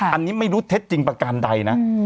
อันนี้ไม่รู้เท็จจริงประการใดนะ